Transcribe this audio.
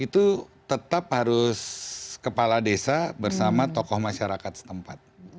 itu tetap harus kepala desa bersama tokoh masyarakat setempat